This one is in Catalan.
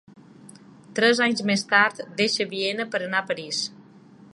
Tres anys més tard deixa Viena per anar París.